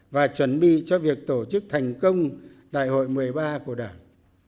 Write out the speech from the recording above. và chuẩn bị cho việc tổ chức thành công đại hội một mươi ba của đảng